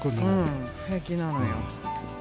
うん平気なのよ。